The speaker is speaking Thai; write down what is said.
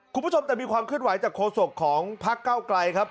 คุณผู้ชมแต่มีความเคลื่อนไหวจากโฆษกของพักเก้าไกลครับ